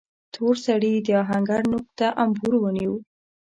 تور سړي د آهنګر نوک ته امبور ونيو.